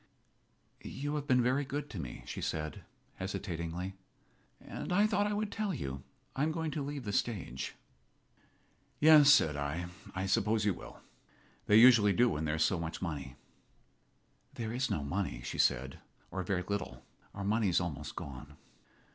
"You have been very good to me," she said, hesitatingly, "and I thought I would tell you. I am going to leave the stage." "Yes," said I, "I suppose you will. They usually do when there's so much money." "There is no money," she said, "or very little. Our money is almost gone."